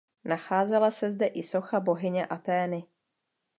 Nacházela se zde i socha bohyně Athény.